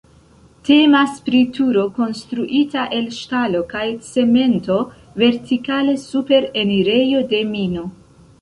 Temas pri turo konstruita el ŝtalo kaj cemento vertikale super enirejo de mino.